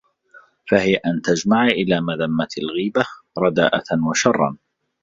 فَهِيَ أَنْ تَجْمَعَ إلَى مَذَمَّةِ الْغِيبَةِ رَدَاءَةً وَشَرًّا